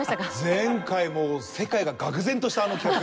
前回もう世界が愕然としたあの企画。